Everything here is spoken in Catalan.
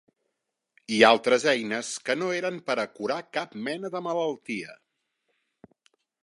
I altres eines que no eren pera curar cap mena de malaltia.